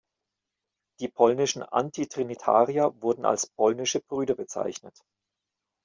Die polnischen Antitrinitarier wurden als Polnische Brüder bezeichnet.